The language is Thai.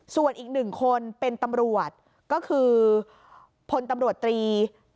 ส่วนอีกหนึ่งคนเป็นตำรวจก็คือพลตำรวจตรี